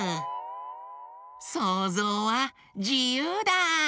そうぞうはじゆうだ！